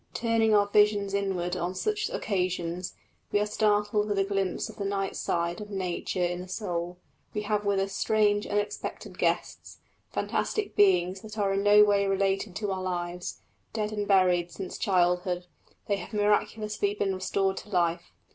Turning our visions inward on such occasions, we are startled with a glimpse of the night side of nature in the soul: we have with us strange unexpected guests, fantastic beings that are in no way related to our lives; dead and buried since childhood, they have miraculously been restored to life.